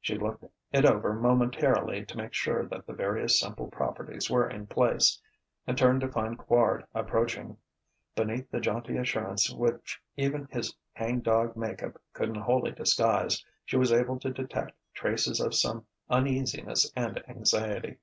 She looked it over momentarily to make sure that the various simple properties were in place, and turned to find Quard approaching. Beneath the jaunty assurance which even his hang dog make up couldn't wholly disguise, she was able to detect traces of some uneasiness and anxiety.